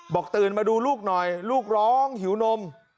ตื่นมาดูลูกหน่อยลูกร้องหิวนม